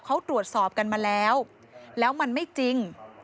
เขาตรวจสอบกันมาแล้วแล้วมันไม่จริง